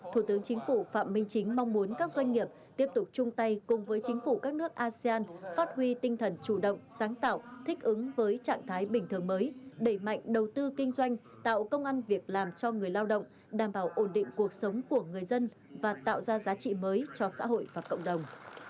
thủ tướng chính phủ phạm minh chính mong muốn các doanh nghiệp tiếp tục chung tay cùng với chính phủ các nước asean phát huy tinh thần chủ động sáng tạo thích ứng với trạng thái bình thường mới đẩy mạnh đầu tư kinh doanh tạo công an việc làm cho người lao động đảm bảo ổn định cuộc sống của người dân và tạo ra giá trị mới cho xã hội và cộng đồng